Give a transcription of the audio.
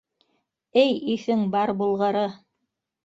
Эй, иҫең бар булғыры!..